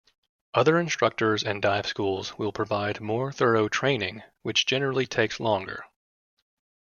Other instructors and dive schools will provide more thorough training, which generally takes longer.